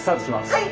はい。